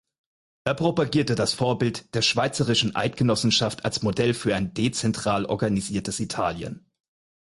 Er propagierte das Vorbild der Schweizerischen Eidgenossenschaft als Modell für ein dezentral organisiertes Italien.